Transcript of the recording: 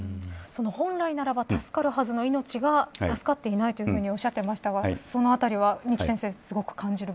本来ならば助かるはずの命が助かっていないとおっしゃっていましたがそのあたりは二木先生